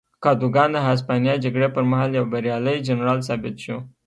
کادوګان د هسپانیا جګړې پر مهال یو بریالی جنرال ثابت شو.